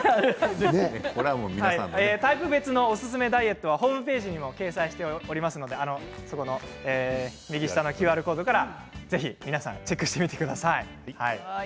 タイプ別のおすすめダイエットは、ホームページにも掲載していますので右下のＱＲコードからぜひ皆さんチェックしてみてください。